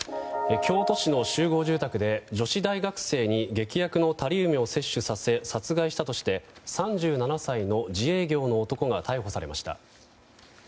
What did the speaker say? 京都市の集合住宅で女子大学生に劇薬のタリウムを摂取させ殺害したとして３７歳の自営業の男が逮捕されました。